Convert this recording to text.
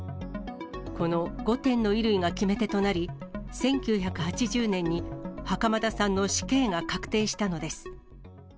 この５点の衣類が決め手となり、１９８０年に袴田さんの死刑が確定したのです。